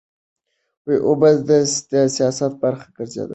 اوبه د سیاست برخه ګرځېدلې ده.